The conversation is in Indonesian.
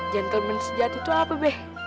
gentleman sejati itu apa beh